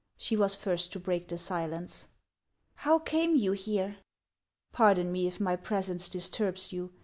She was first to break the silence. " How came you here ?"" Pardon me, if my presence disturbs you.